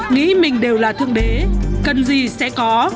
nghĩ mình đều là thương đế cần gì sẽ có